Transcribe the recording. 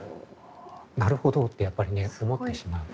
なるほどってやっぱりね思ってしまう。